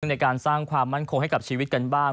ในการสร้างความมั่นคงให้กับชีวิตกันบ้าง